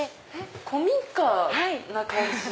古民家な感じ。